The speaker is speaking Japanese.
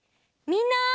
みんな！